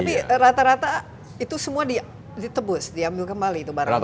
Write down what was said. tapi rata rata itu semua ditebus diambil kembali itu barangnya